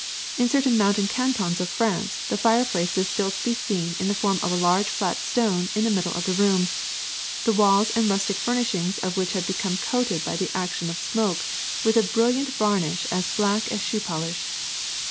In certain mountain cantons of France the fireplace is still to be seen in the form of a large flat stone in the middle of the room, the walls and rustic furnishings of which have become coated by the action of smoke with a brilliant Varnish as black as shoe polish.